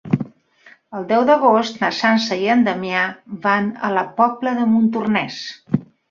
El deu d'agost na Sança i en Damià van a la Pobla de Montornès.